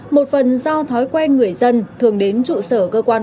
một phần do thói quen người dân thường đến trụ sở cơ quan